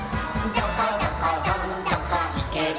「どこどこどんどこいけるんだ」